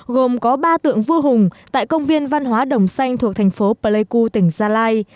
gồm có ba tượng vua hùng tại công viên văn hóa đồng xanh thuộc thành phố pleiku tỉnh gia lai